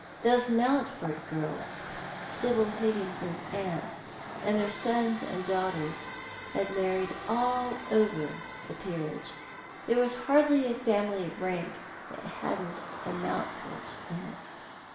Those Mountford girls — Sibyl Higginson's aunts — and their sons and daughters, had married all over the peerage. There" was hardly a family of rank that hadn't a Mountford in it.